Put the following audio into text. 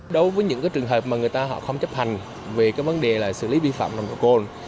đối với những trường hợp mà người ta không chấp hành về vấn đề xử lý vi phạm nồng độ cồn